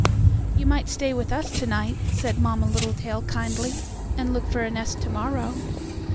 "You might stay with us to night," said Mamma Littletail, kindly, "and look for a nest to morrow."